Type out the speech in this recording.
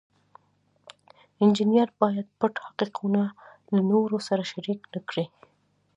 انجینر باید پټ حقیقتونه له نورو سره شریک نکړي.